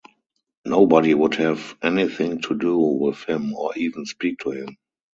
Nobody would have anything to do with him or even speak to him.